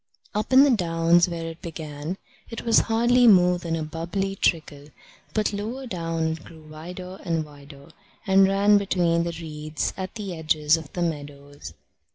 Up in the downs, where it began, it was hardly more than a bubbly trickle, but lower down it grew wider and wider, and ran between the reeds at the edges of the meadows.